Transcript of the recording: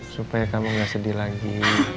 supaya kamu nggak sedih lagi